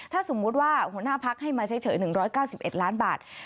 ถ้าสมมุติว่าหัวหน้าพักให้มาเฉย๑๙๑ล้านบาท